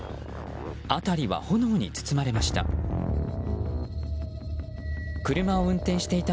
辺りは炎に包まれました。